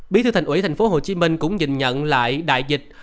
bí thư thành ủy tp hcm cũng nhìn nhận lại đại dịch